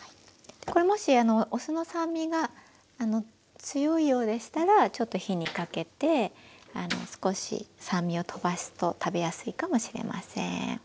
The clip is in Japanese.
これもしお酢の酸味が強いようでしたらちょっと火にかけて少し酸味をとばすと食べやすいかもしれません。